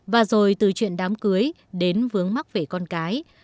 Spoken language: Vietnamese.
và rồi từ chuyện đám cưới đến vướng mắc về con cái